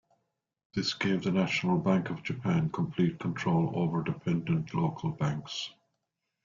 This gave the national Bank of Japan complete control over dependent local banks.